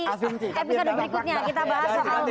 episode berikutnya kita bahas soal